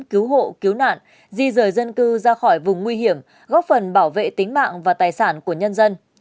cứu hộ cứu nạn di rời dân cư ra khỏi vùng nguy hiểm góp phần bảo vệ tính mạng và tài sản của nhân dân